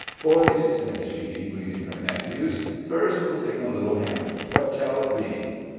"Boys," said she, greeting her nephews, "first, we'll sing a little hymn; what shall it be?"